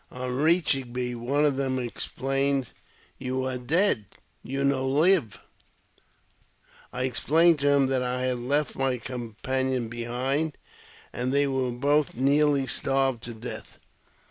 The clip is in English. On reaching me, one of them exclaimed, You are dead — you no live !" I explained to him that I had left my companion behind, and that we were both nearly starved to death.